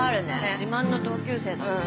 自慢の同級生だもん。